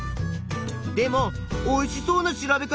でもおいしそうな調べ方。